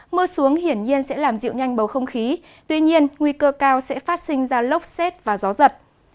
mưa xuống hiển nhiên sẽ làm dịu nhanh bầu không khí tuy nhiên nguy cơ cao sẽ phát sinh ra lốc xét và gió giật